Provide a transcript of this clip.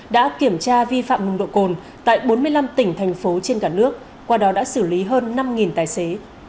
đã kiểm tra vi phạm nồng độ cồn tại bốn mươi năm tỉnh thành phố trên cả nước qua đó đã xử lý hơn năm tài xế